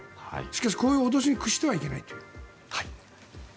しかし、こういう脅しに屈してはいけないという。